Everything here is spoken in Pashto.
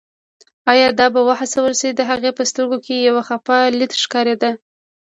ایا دا به وهڅول شي، د هغې په سترګو کې یو خپه لید ښکارېده.